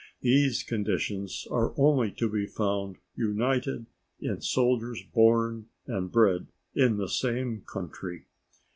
These conditions are only to be found united in soldiers born and bred in the same country.